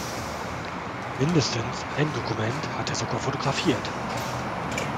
Mindestens ein Dokument hat er sogar fotografiert.